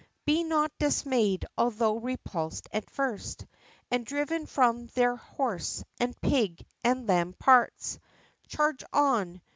Be not dismay'd, although repulsed at first, And driven from their Horse, and Pig, and Lamb parts, Charge on!